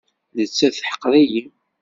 Nettat teḥqer-iyi.